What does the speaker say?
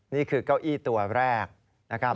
นี่คือเก้าอี้ตัวแรกนะครับ